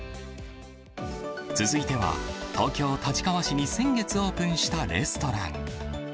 続いては、東京・立川市に先月オープンしたレストラン。